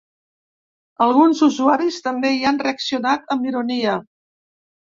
Alguns usuaris també hi han reaccionat amb ironia.